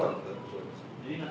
jadi nanti kita berespon lagi